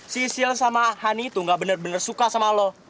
sisil sama hani tuh gak bener bener suka sama lo